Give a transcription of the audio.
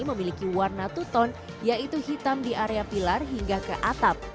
memiliki warna tuton yaitu hitam di area pilar hingga ke atap